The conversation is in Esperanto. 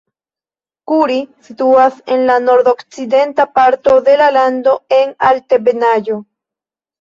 Kuri situas en la nordokcidenta parto de la lando en altebenaĵo.